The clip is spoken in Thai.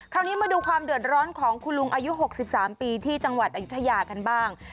คราวนี้มาดูความเดือดร้อนของคุณลุงอายุ๖๓ปีที่จังหวัดอายุทยากันบ้าง